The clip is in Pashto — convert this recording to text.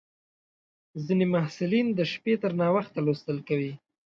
ځینې محصلین د شپې تر ناوخته لوستل کوي.